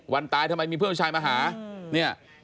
วันตายทำไมมีเพื่อนชายมาหาเนี่ย